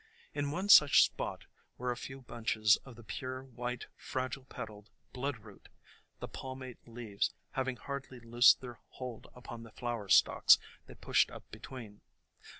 In one such spot were a few bunches of the pure white fragile petaled Bloodroot, the palmate leaves having hardly loosed their hold upon the flower stalks that pushed up between.